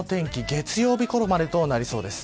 月曜日ごろまでとなりそうです。